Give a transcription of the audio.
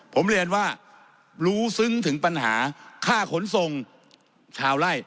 ผมเรียนว่ารู้ซึ้งถึงปัญหาค่าขนส่งชาวไล่